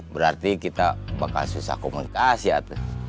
berarti kita bakal susah komunikasi atau